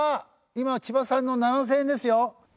今千葉さんの７０００円ですよ。